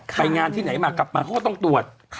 ไปงานที่ไหนมากลับมาเขาก็ต้องตรวจ